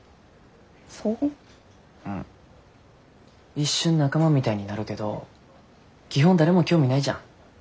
一瞬仲間みたいになるけど基本誰も興味ないじゃん。